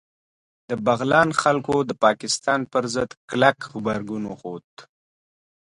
د بغلان خلکو د پاکستان پر ضد کلک غبرګون وښود